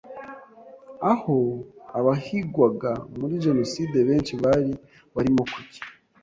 aho abahigwaga muri Jenoside benshi bari barimo kujya